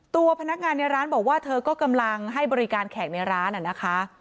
ตัวพนักงานในร้านบอกว่าเธอก็กำลังให้บริการแขกในร้านนะคะ